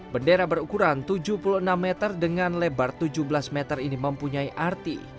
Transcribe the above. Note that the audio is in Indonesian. bendera berukuran tujuh puluh enam meter dengan lebar tujuh belas meter ini mempunyai arti